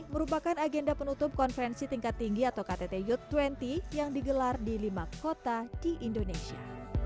merupakan agenda penutup konferensi tingkat tinggi atau ktt ut dua puluh yang digelar di lima kota di indonesia